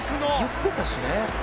「言ってたしね。